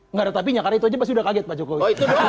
enggak ada tapi ya karena itu aja udah kaget pak jokowi